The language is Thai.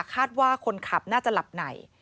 คาดว่าคนขับน่าจะหลับไหน